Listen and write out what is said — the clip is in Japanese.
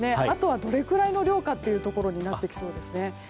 あとはどれくらいの量かということになってきそうですね。